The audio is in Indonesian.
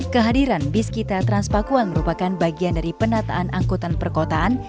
kehadiran biskita transpakuan merupakan bagian dari penataan angkutan perkotaan